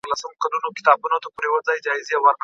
ټولنیز نظم د ژوند د دوام لپاره اړین دی.